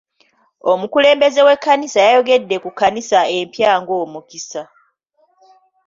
Omukulembeze w'ekkanisa yayogedde ku kkanisa empya ng'omukisa.